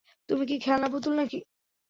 তুমি কি খেলনা পুতুল নাকি?